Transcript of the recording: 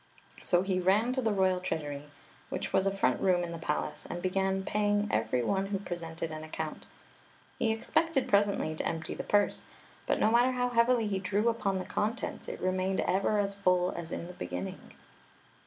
So he ran to the royal treasury, which was a fitmt Queen Zixi of Ix ; or, the room in the palace, and began paying every one who presented an account He expected presently to empty the purse ; but no matter how heavily he drew upon the contents, it remained ever as full as in the beginning.